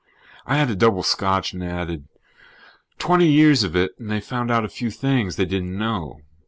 I had a double scotch and added: "Twenty years of it and they found out a few things they didn't know.